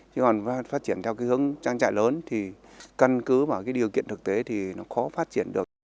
chứ còn phát triển theo hướng trang trại lớn thì căn cứ và điều kiện thực tế thì nó khó phát triển được